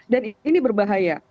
dan ini berbahaya